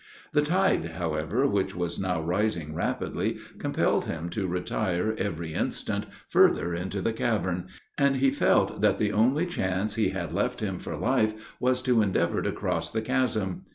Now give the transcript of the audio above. The tide, however, which was now rising rapidly, compelled him to retire every instant, further into the cavern, and he felt that the only chance he had left him for life was to endeavor to cross the chasm.